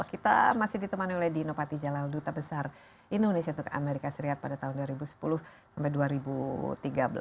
kita masih ditemani oleh dino patijalal duta besar indonesia untuk amerika serikat pada tahun dua ribu sepuluh sampai dua ribu tiga belas